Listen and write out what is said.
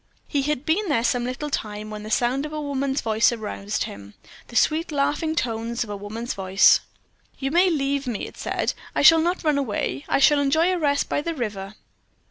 He had been there some little time when the sound of a woman's voice aroused him the sweet laughing tones of a woman's voice. "You may leave me," it said. "I shall not run away. I shall enjoy a rest by the river."